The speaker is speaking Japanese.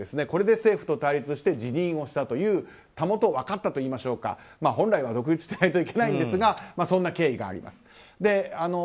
これで政府と対立して辞任したたもとを分かったといいますか本来は独立してないといけないんですがそんな経緯があります。